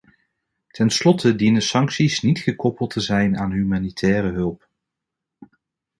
Ten slotte dienen sancties niet gekoppeld te zijn aan humanitaire hulp.